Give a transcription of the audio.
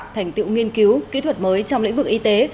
thành tiệu nghiên cứu kỹ thuật mới trong lĩnh vực y tế